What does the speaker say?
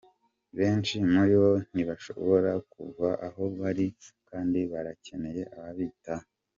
"Benshi muri bo ntibashobora kuva aho bari kandi barakeneye ababitaho.